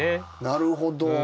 なるほど。